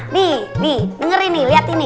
nih nih dengerin nih liat ini